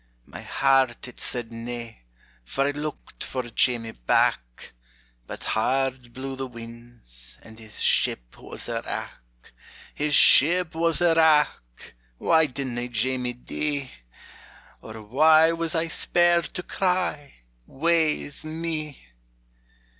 My heart it said na, for I looked for Jamie back; But hard blew the winds, and his ship was a wrack; His ship was a wrack! Why didna Jamie dee? Or why was I spared to cry, Wae is me!